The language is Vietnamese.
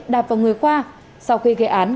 đạp vào người khoa sau khi gây án